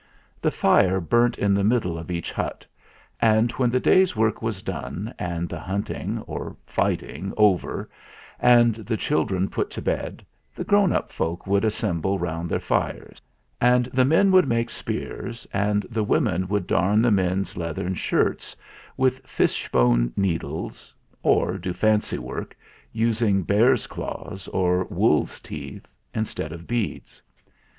The fire burnt in the middle of each hut ; and when the day's work was done, and the hunt ing or fighting over and the children put to bed, the grown up folk would assemble round their fires; and the men would make spears, and the women would darn the men's leathern shirts with fishbone needles, or do THE MYSTERY MAN 15 fancy work, using bears' claws or wolves' teeth instead of beads.